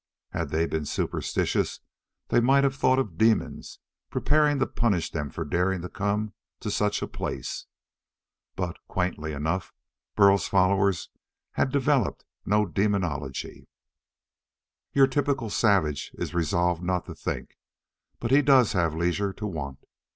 Had they been superstitious, they might have thought of demons preparing to punish them for daring to come to such a place. But quaintly enough Burl's followers had developed no demonology. Your typical savage is resolved not to think, but he does have leisure to want.